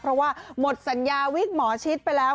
เพราะว่าหมดสัญญาวิกหมอชิดไปแล้ว